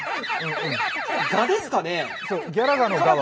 蛾ですかね。